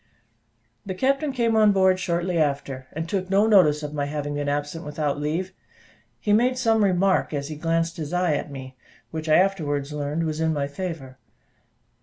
The captain came on board shortly after, and took no notice of my having been absent without leave; he made some remark as he glanced his eye at me, which I afterwards learned was in my favour.